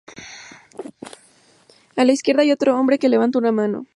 A la izquierda hay otro hombre que levanta una mano.